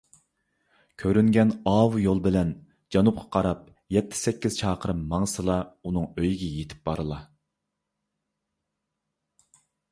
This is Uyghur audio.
كۆرۈنگەن ئاۋۇ يول بىلەن جەنۇبقا قاراپ يەتتە - سەككىز چاقىرىم ماڭسىلا، ئۇنىڭ ئۆيىگە يېتىپ بارىلا.